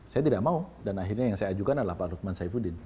saya tidak mau dan akhirnya yang saya ajukan adalah pak lukman saifuddin